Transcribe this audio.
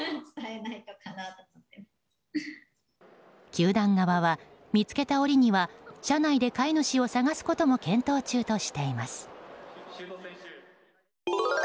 球団側は見つけた折には社内で飼い主を探すことも検討中としています。